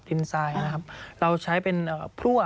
สวัสดีค่ะที่จอมฝันครับ